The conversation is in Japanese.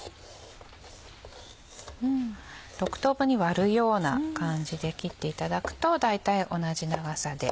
６等分に割るような感じで切っていただくと大体同じ長さで。